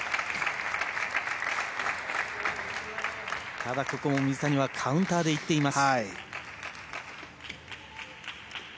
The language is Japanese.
ただここを水谷はカウンターでいっています。